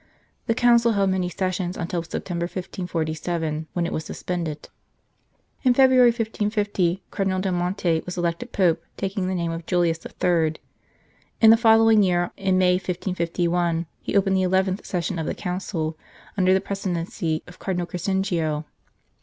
The Council held many sessions until September, 1547, when it was suspended. In February, 1550, Cardinal del Monte was elected Pope, taking the name of Julius III. In the following year, in May, 1551, he opened the eleventh session of the Council, under the presi dency of Cardinal Crescenzio.